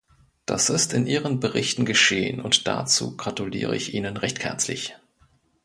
Das ist in Ihren Berichten geschehen, und dazu gratuliere ich Ihnen recht herzlich.